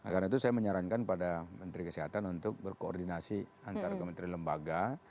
karena itu saya menyarankan pada menteri kesehatan untuk berkoordinasi antar kementerian lembaga